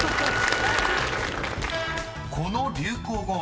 ［この流行語は？］